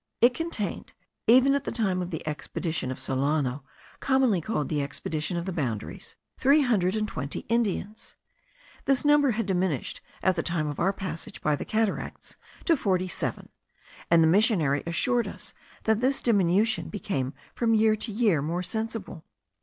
It contained, even at the time of the expedition of Solano, commonly called the expedition of the boundaries, three hundred and twenty Indians. This number had diminished, at the time of our passage by the Cataracts, to forty seven; and the missionary assured us that this diminution became from year to year more sensible.